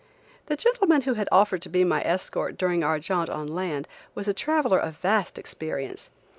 The gentleman who had offered to be my escort during our jaunt on land, was a traveler of vast experience.